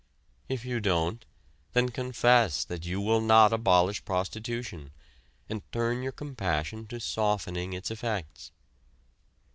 If you don't, then confess that you will not abolish prostitution, and turn your compassion to softening its effects."